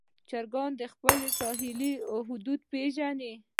چرګان د خپل ساحې حدود پېژني.